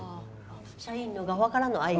社員の側からの愛が。